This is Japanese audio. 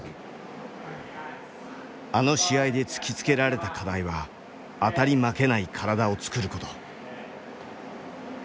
あの試合で突きつけられた課題は当たり負けない体を作ること。